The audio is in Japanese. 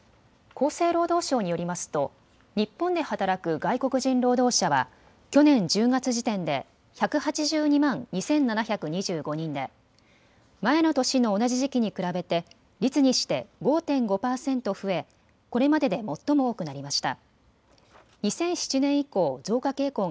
厚生労働省によりますと日本で働く外国人労働者は去年１０月時点で１８２万２７２５人で前の年の同じ時期に比べて率にして５．５％増えこれまでで最も多くなりました。